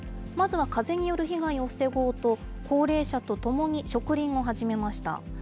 まずは風による被害を防ごうと、高齢者と共に植林を始めました。